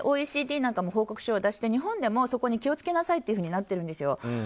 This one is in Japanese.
ＯＥＣＤなんかも報告書を出して日本でもそこに気を付けなさいとなってるんですよ。